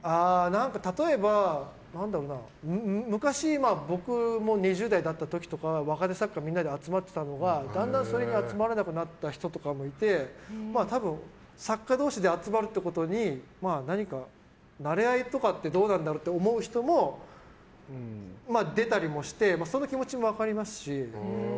例えば、昔僕も２０代だった時とか若手作家みんなで集まってたのがだんだん集まらなくなった人とかもいて多分、作家同士で集まることに何かなれ合いとかってどうなんだろうって思う人も出たりもしてその気持ちも分かりますし。